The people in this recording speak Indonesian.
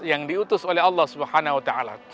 yang diutus oleh allah swt